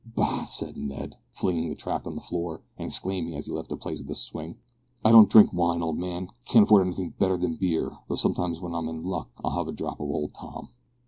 '" "Bah!" said Ned, flinging the tract on the floor and exclaiming as he left the place with a swing; "I don't drink wine, old man; can't afford anything better than beer, though sometimes, when I'm in luck, I have a drop of Old Tom."